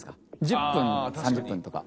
１０分３０分とか。